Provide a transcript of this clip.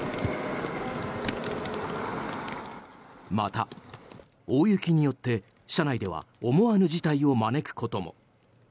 また大雪によって車内では思わぬ事態を招くことも。